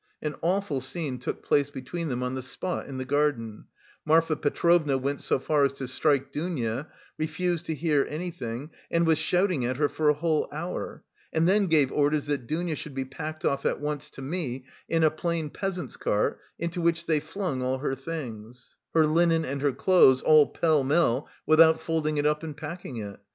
An awful scene took place between them on the spot in the garden; Marfa Petrovna went so far as to strike Dounia, refused to hear anything and was shouting at her for a whole hour and then gave orders that Dounia should be packed off at once to me in a plain peasant's cart, into which they flung all her things, her linen and her clothes, all pell mell, without folding it up and packing it.